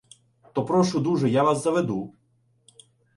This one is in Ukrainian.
— То прошу дуже, я вас заведу.